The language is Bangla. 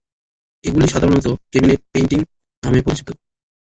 এগুলি সাধারণত ক্যাবিনেট পেইন্টিং নামে পরিচিত।